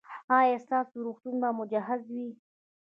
ایا ستاسو روغتون به مجهز وي؟